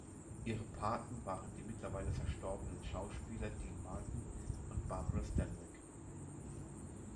Ihre Paten waren die mittlerweile verstorbenen Schauspieler Dean Martin und Barbara Stanwyck.